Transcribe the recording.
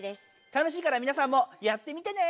楽しいからみなさんもやってみてね。